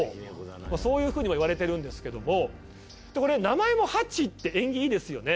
そういうふうにもいわれてるんですけどもこれ名前もハチって縁起いいですよね。